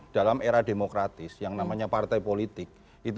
dalam era demokratis yang namanya partai politik